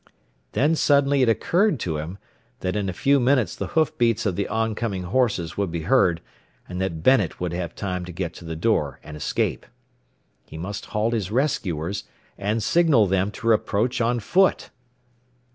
Then suddenly it occurred to him that in a few minutes the hoofbeats of the on coming horses would be heard, and that Bennet would have time to get to the door and escape. He must halt his rescuers, and signal them to approach on foot!